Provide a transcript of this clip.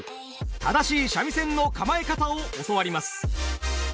正しい三味線の構え方を教わります。